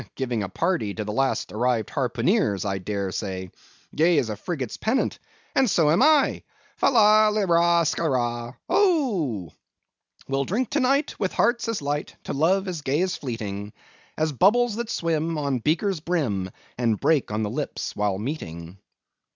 —Giving a party to the last arrived harpooneers, I dare say, gay as a frigate's pennant, and so am I—fa, la! lirra, skirra! Oh— We'll drink to night with hearts as light, To love, as gay and fleeting As bubbles that swim, on the beaker's brim, And break on the lips while meeting.